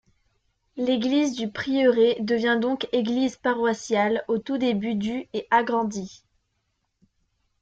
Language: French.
L'église du prieuré devient donc église paroissiale au tout début du et agrandie.